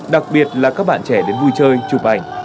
đặc biệt là các bạn trẻ đến vui chơi chụp ảnh